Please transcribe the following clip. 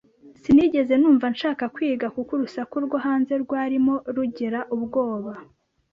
Sinigeze numva nshaka kwiga kuko urusaku rwo hanze rwarimo rugira ubwoba.